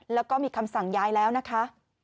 แล้วก็มีคำสั่งย้ายแล้วนะคะ